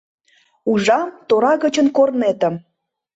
Ужам: тора гычын корнетым